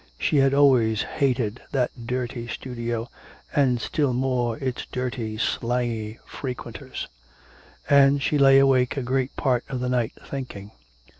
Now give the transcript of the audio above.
She had always hated that dirty studio, and still more its dirty slangy frequenters. And she lay awake a great part of the night thinking.